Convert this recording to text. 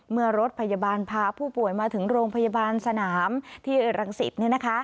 เมื่อรถพยาบาลพาผู้ป่วยมาถึงโรงพยาบาลสนามที่รังสิต